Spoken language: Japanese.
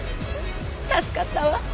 助かったわ。